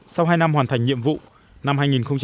sau hai năm hoàn thành nhiệm vụ năm hai nghìn hai mươi